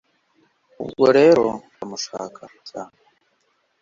ubwo rero ndamushaka cyane